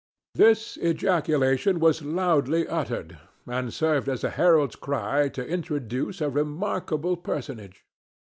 This ejaculation was loudly uttered, and served as a herald's cry to introduce a remarkable personage.